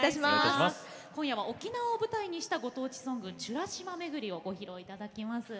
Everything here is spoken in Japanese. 今夜は沖縄を舞台にしたご当地ソング「美ら島めぐり」をご披露いただきます。